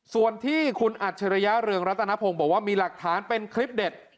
ส่วนที่คุณอัจฉริยะเรืองรัตนพงศ์บอกว่ามีหลักฐานเป็นคลิปเด็ด